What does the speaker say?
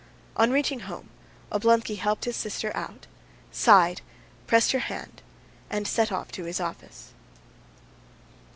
On reaching home Oblonsky helped his sister out, sighed, pressed her hand, and set off to his office.